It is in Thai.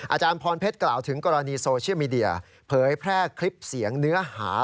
อาจารย์พรเพชรกล่าวถึงกรณีโซเชียลมีเดียเผยแพร่คลิปเสียงเนื้อหา